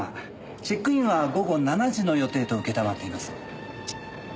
チェックインは午後７時の予定と承っています。